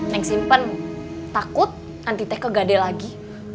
neng simpen takut nanti teh kegade lagi